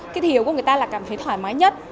thị hiếu của người ta là cảm thấy thoải mái nhất